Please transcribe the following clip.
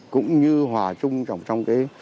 cũng như hòa chung trong